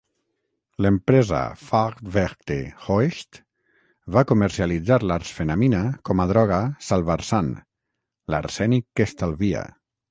L'empresa Farbwerke Hoechst va comercialitzar l'arsfenamina com a droga Salvarsan, "l'arsènic que estalvia".